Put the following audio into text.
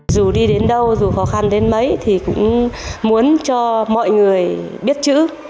dù đi đến đâu dù khó khăn đến mấy thì cũng muốn cho mọi người biết chữ